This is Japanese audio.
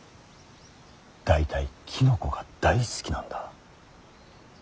大体きのこが大好きなんだ。